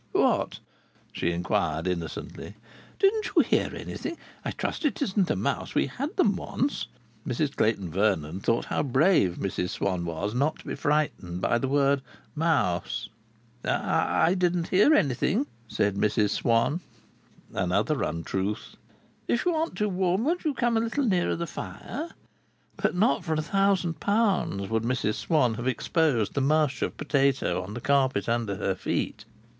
"What?" she inquired innocently. "Didn't you hear anything? I trust it isn't a mouse! We have had them once." Mrs Clayton Vernon thought how brave Mrs Swann was, not to be frightened by the word "mouse." "I didn't hear anything," said Mrs Swann. Another untruth. "If you aren't too warm, won't you come a little nearer the fire?" But not for a thousand pounds would Mrs Swann have exposed the mush of potato on the carpet under her feet.